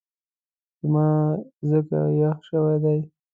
زما ځکه یخ شوی دی